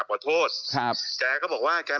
พี่หนุ่ม